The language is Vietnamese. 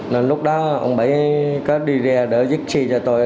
nên lúc đó ông bảy có đi ra để giết xe cho tôi